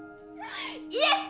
イエス！